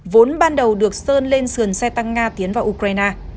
vốn ban đầu được sơn lên sườn xe tăng nga tiến vào ukraine